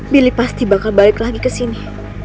billy pasti bakal balik lagi kesini